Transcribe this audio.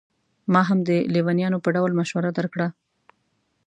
ما هم د لېونیانو په ډول مشوره درکړه.